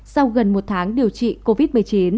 sau gần một tháng điều trị covid một mươi chín